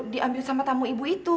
diambil sama tamu ibu itu